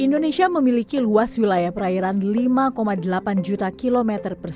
indonesia memiliki luas wilayah perairan lima delapan juta km